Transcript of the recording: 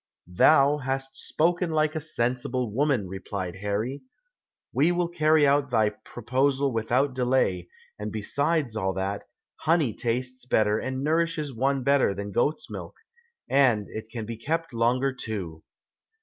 "Thou hast spoken like a sensible woman," replied Harry. "We will carry out thy proposal without delay, and besides all that, honey tastes better and nourishes one better than goat's milk, and it can be kept longer too."